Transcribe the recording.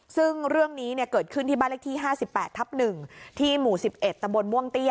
ซึ่งเรื่องนี้เกิดขึ้นที่บ้านเลขที่๕๘ทับ๑ที่หมู่๑๑ตำบลม่วงเตี้ย